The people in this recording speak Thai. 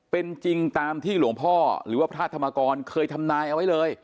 เป็นจริงตามที่หลวงพ่อหรือว่าพระธรรมกรเคยทำนายเอาไว้เลย